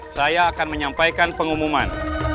saya akan menyampaikan pengumuman